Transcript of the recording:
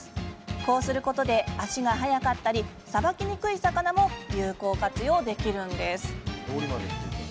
こうすることで足が早かったりさばきにくい魚も有効活用できるんです。